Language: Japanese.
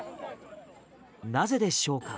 なぜでしょうか？